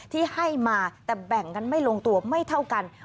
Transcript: ที่ให้มาแต่แบ่งกันไม่ลงตัวไม่เท่ากัน